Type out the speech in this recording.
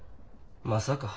まさか。